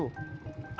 kau kena tipu itu